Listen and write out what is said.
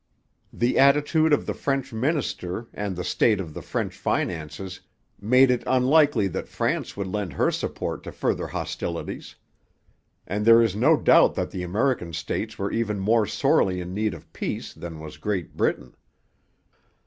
The attitude of the French minister, and the state of the French finances, made it unlikely that France would lend her support to further hostilities. And there is no doubt that the American states were even more sorely in need of peace than was Great Britain.